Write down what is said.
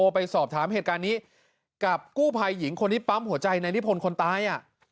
ไปสอบถามเหตุการณ์นี้กับกู้ภัยหญิงคนที่ปั๊มหัวใจนายนิพนธ์คนตาย